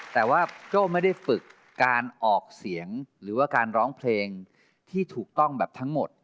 แต่ว่าโจ้ไม่ได้ฝึกการออกเสียงหรือว่าการร้องเพลงที่ถูกต้องแบบทั้งหมด